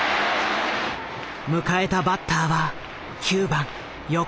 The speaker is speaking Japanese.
迎えたバッターは９番横峯。